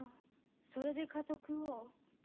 それで家督を。